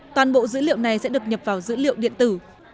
toàn bộ dữ liệu này sẽ được nhập vào dữ liệu điện tử